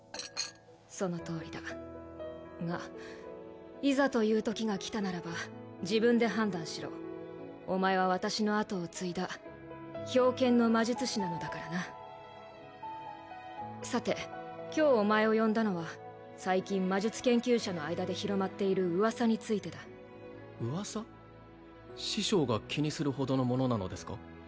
そのとおりだがいざというときが来たならば自分で判断しろお前は私の後を継いだ冰剣の魔術師なのだからなさて今日お前を呼んだのは最近魔術研究者の間で広まっている噂についてだ噂？師匠が気にするほどのものなのですか？